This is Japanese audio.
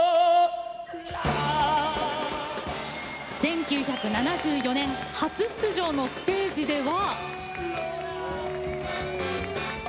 １９７４年初出場のステージでは。